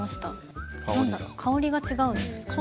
何だろ香りが違うんですかね？